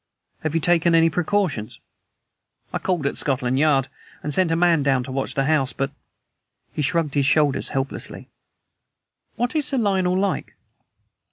"Have you taken any precautions?" "I called at Scotland Yard and sent a man down to watch the house, but " He shrugged his shoulders helplessly. "What is Sir Lionel like?"